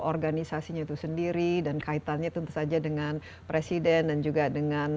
organisasinya itu sendiri dan kaitannya tentu saja dengan presiden dan juga dengan